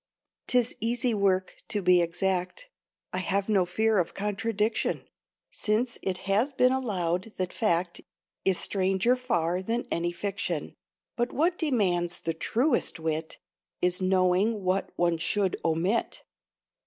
'Tis easy work to be exact, (I have no fear of contradiction), Since it has been allowed that Fact Is stranger far than any Fiction; But what demands the truest wit Is knowing what one should omit.